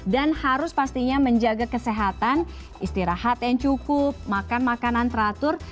dan harus pastinya menjaga kesehatan istirahat yang cukup makan makanan teratur